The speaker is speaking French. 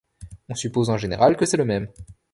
On suppose en général que c'est le même.